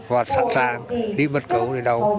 và sẵn sàng đi bất cứ đâu